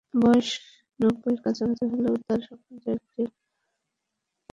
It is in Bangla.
বয়স নব্বইয়ের কাছাকাছি হলেও তাঁর স্বপ্নের জায়গাটিতে একবার সকালে ঢুঁ মারবেনই তিনি।